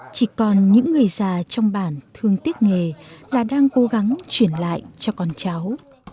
chỉ còn những người già trong bản thương tiếc nghề là đang cố gắng chuyển lại cho con cháu